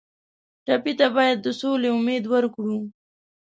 ټپي ته باید د سولې امید ورکړو.